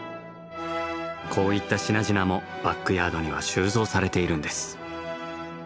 こういった品々もバックヤードには収蔵されているんです。